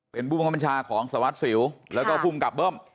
เป็นผู้บังคับบัญชาของสารวัตรสิวแล้วก็ภูมิกับเบิ้ม